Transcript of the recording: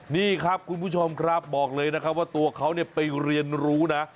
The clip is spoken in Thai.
นี่ครับคุณผู้ชมครับบอกเลยนะครับว่าตัวเขาไปเรียนรู้นะ